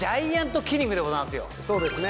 そうですね。